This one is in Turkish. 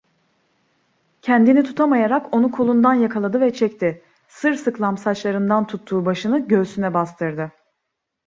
Kendini tutamayarak onu kolundan yakaladı ve çekti, sırsıklam saçlarından tuttuğu başını göğsüne bastırdı.